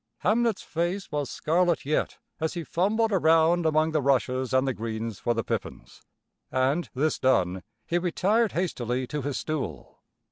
Hamnet's face was scarlet yet as he fumbled around among the rushes and the greens for the pippins, and this done he retired hastily to his stool.